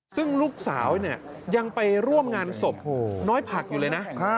ซึ่งลูกสาวเนี่ยยังไปร่วมงานศพน้อยผักอยู่เลยนะ